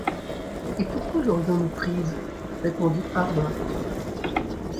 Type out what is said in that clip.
Et pourquoi l’aurions-nous prise? répondit Harbert.